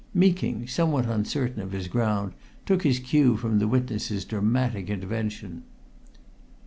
Meeking, somewhat uncertain of his ground, took his cue from the witness's dramatic intervention.